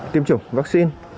tiêm chủng vaccine